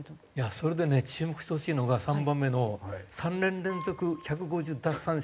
それでね注目してほしいのが３番目の３年連続１５０奪三振３０本塁打。